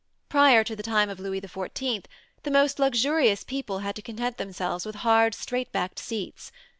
Prior to the time of Louis XIV, the most luxurious people had to content themselves with hard straight backed seats.